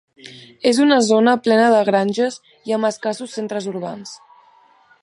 És una zona plena de granges i amb escassos centres urbans.